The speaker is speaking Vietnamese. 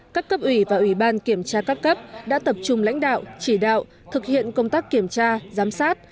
các cấp ủy và ủy ban kiểm tra các cấp đã tập trung lãnh đạo chỉ đạo thực hiện công tác kiểm tra giám sát